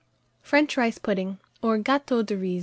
FRENCH RICE PUDDING, or GATEAU DE RIZ.